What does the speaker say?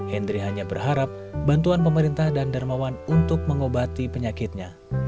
hendri hanya berharap bantuan pemerintah dan dermawan untuk mengobati penyakitnya